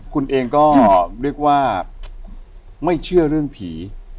คุณเองก็เรียกว่าไม่เชื่อเรื่องผี